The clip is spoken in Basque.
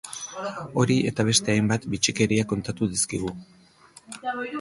Hori eta beste hainbat bitxikeria kontatu dizkigu.